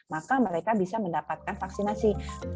maka mereka bisa mendapatkan vaksinasi